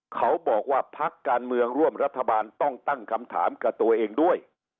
เขาบอกว่าพักการเมืองร่วมรัฐบาลต้องตั้งคำถามกับตัวเองด้วย